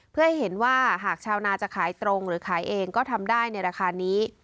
เพื่อให้เห็นว่าหากชาวนาจะขายตรงหรือขายเองก็ทำได้ในราคานี้